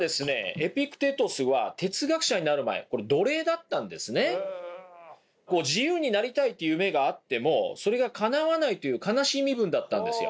エピクテトスは自由になりたいという夢があってもそれがかなわないという悲しい身分だったんですよ。